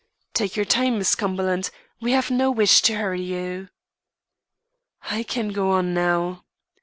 "Take your time, Miss Cumberland; we have no wish to hurry you." "I can go on now.